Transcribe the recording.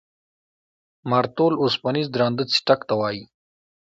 مارتول اوسپنیز درانده څټک ته وایي.